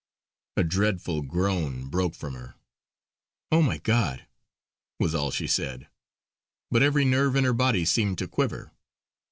A dreadful groan broke from her. "Oh, my God!" was all she said, but every nerve in her body seemed to quiver.